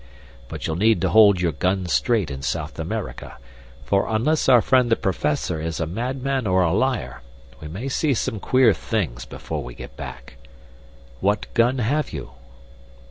But you'll need to hold your gun straight in South America, for, unless our friend the Professor is a madman or a liar, we may see some queer things before we get back. What gun have you?"